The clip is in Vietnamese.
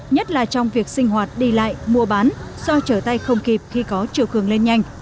nhất là trong việc sinh hoạt đi lại mua bán do trở tay không kịp khi có chiều cường lên nhanh